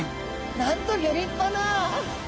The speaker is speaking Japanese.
なんとギョ立派な！